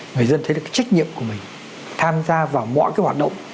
người dân thấy được trách nhiệm của mình tham gia vào mọi hoạt động